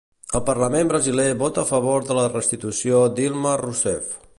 El parlament brasiler vota a favor de la destitució Dilma Rousseff.